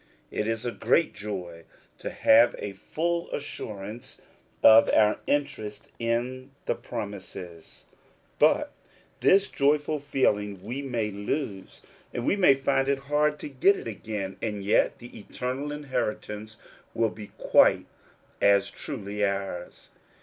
It is a great joy to have a full assurance of our 52 According to the Promise. interest in the promises ; but chis joyful feeling we may lose, and we may find it hard to get it again, and yet the eternal inheritance will be quite as truly ours.